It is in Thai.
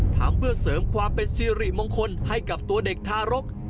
ทำเพื่อเสริมความเป็นสิริมงคลให้กับตัวเด็กทารก